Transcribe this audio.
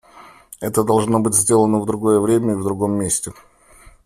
Это должно быть сделано в другое время и в другом месте.